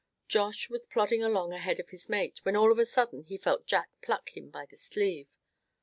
Josh was plodding along ahead of his mate when all of a sudden he felt Jack pluck him by the sleeve.